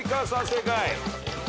正解。